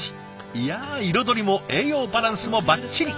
いや彩りも栄養バランスもバッチリ。